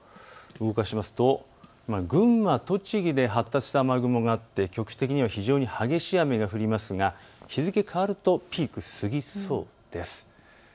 動かしますと群馬、栃木で発達した雨雲があって局地的に激しい雨が降りますが日付が変わるとピークを過ぎそうです。